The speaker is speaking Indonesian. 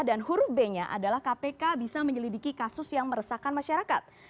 dan huruf b nya adalah kpk bisa menyelidiki kasus yang meresahkan masyarakat